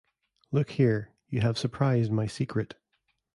Look here, you have surprised my secret.